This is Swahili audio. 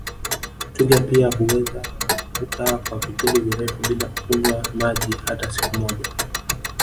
Twiga pia huweza kukaa kwa vipindi virefu bila kunywa maji hata siku moja